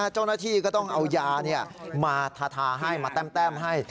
เจ้าหน้าที่ก็ต้องเอายามาทาให้มาแต้มให้